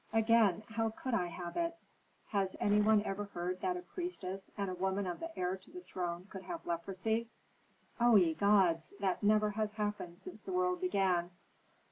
Again, how could I have it; has any one ever heard that a priestess and a woman of the heir to the throne could have leprosy? O ye gods! that never has happened since the world began.